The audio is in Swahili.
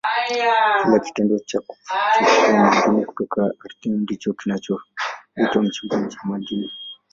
Kile kitendo cha kuchukua madini kutoka ardhini ndicho kinachoitwa uchimbaji madini.